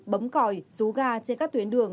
bấm còi rú ga trên các tuyến đường